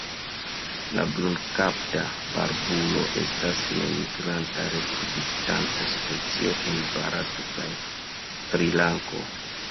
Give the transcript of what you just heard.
La Brunkapa barbulo estas nemigranta reproduktanta specio en Barato kaj Srilanko.